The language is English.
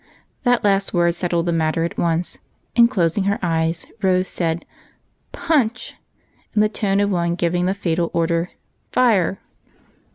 That last word settled the matter, and, closing her eyes. Rose said " Punch !" in the tone of one giving the fatal order " Fire